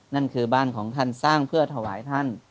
นั่นคือบ้านของท่านสร้างเพื่อถวายท่าน